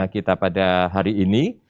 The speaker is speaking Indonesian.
kita pada hari ini